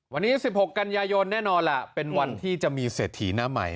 วันนี้๑๖กันยายนแน่นอนล่ะเป็นวันที่จะมีเศรษฐีหน้าใหม่